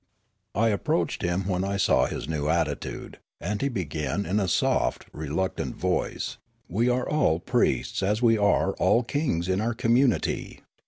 I approached him when I saw his new attitude, and he began in a soft, reluctant voice :" We are all priests as we are all kings in our community.